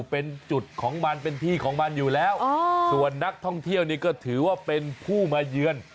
เป็นจุดของมันเป็นที่ของมันอยู่แล้วส่วนนักท่องเที่ยวนี่ก็ถือว่าเป็นผู้มาเยือน